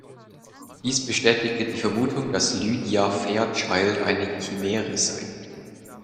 Dies bestätigte die Vermutung, dass Lydia Fairchild eine Chimäre sei.